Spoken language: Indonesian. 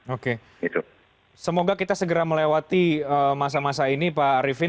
oke semoga kita segera melewati masa masa ini pak arifin